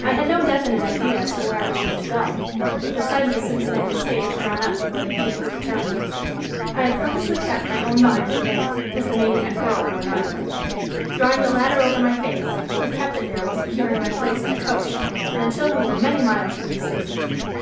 I had no definite idea as to where I wanted to go, but the sight of the Cincinnati stage drawn up before the Phoenix determined me. I had purposely kept my own bonnet and veil, as the maniac girl wore neither. Drawing the latter over my face, I kept it there while securing my place in the coach, and until we were many miles from the city.